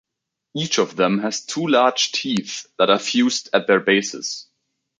Each of them has two large teeth that are fused at their bases.